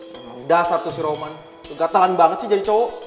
memang dasar tuh si roman kegatelan banget sih jadi cowok